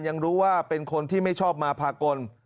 ยังรู้ว่าเป็นคนที่ไม่ชอบมาพากล